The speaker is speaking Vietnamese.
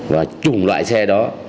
và chủng loại xe đó